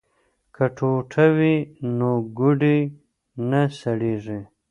که ټوټه وي نو ګوډی نه سړیږي.